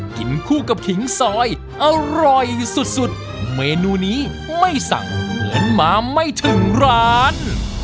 กินคู่กับขิงซอยอร่อยสุดสุดเมนูนี้ไม่สั่งเห็นมาไม่ถึงร้าน